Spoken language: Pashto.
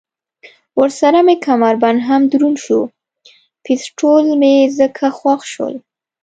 ورسره مې کمربند هم دروند شو، پېسټول مې ځکه خوښ شول.